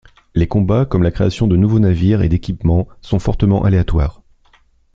Les combats comme la création de nouveaux navires et d'équipements sont fortement aléatoires.